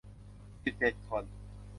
สิบเจ็ด คน